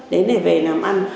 đến để về làm ăn